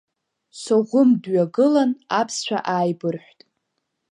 Соӷәым дҩагылан аԥсшәа ааибырҳәт.